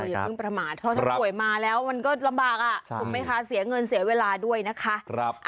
อย่าเพิ่งประมาทเพราะถ้าป่วยมาแล้วมันก็ลำบากถูกไหมคะเสียเงินเสียเวลาด้วยนะคะ